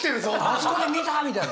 あそこで見た！みたいな？